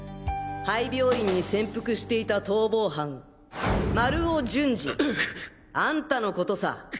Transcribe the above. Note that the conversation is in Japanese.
廃病院に潜伏していた逃亡犯丸尾淳治！あんたのことさ。